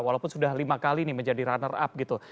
walaupun sudah lima kali nih menjadi runner up gitu